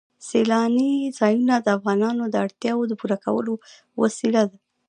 سیلانی ځایونه د افغانانو د اړتیاوو د پوره کولو وسیله ده.